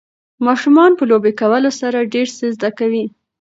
ماشومان په لوبې کولو سره ډېر څه زده کوي.